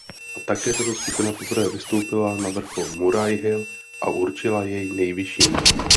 A také tato skupina poprvé vystoupila na vrchol Murray Hill a určila jej nejvyšším.